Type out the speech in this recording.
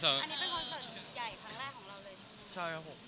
ใช่ครับผมคอนเสิร์ตใหญ่เลยครับ